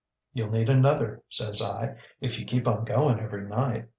ŌĆ£ŌĆśYouŌĆÖll need another, ŌĆÖ says I, ŌĆśif you keep on going every night.